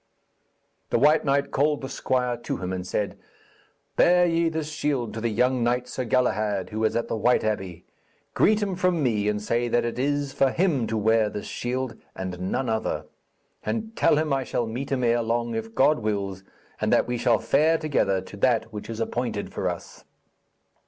The white knight called the squire to him and said: 'Bear ye this shield to the young knight, Sir Galahad, who is at the white abbey. Greet him from me, and say that it is for him to wear this shield, and none other. And tell him that I shall meet him erelong, if God wills, and that we shall fare together to that which is appointed for us.'